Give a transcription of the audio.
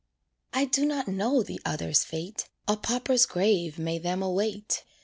I do not know the others' fate, A pauper's grave may them await.